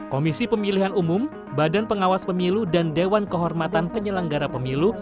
komisi pemilihan umum badan pengawas pemilu dan dewan kehormatan penyelenggara pemilu